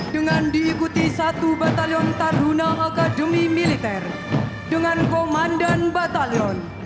dengan diikuti satu batalion taruna akademi militer dengan komandan batalion